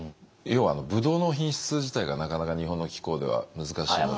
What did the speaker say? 要はあのブドウの品質自体がなかなか日本の気候では難しいので。